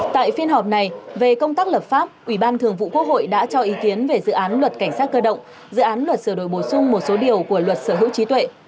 tại phiên họp này về công tác lập pháp ủy ban thường vụ quốc hội đã cho ý kiến về dự án luật cảnh sát cơ động dự án luật sửa đổi bổ sung một số điều của luật sở hữu trí tuệ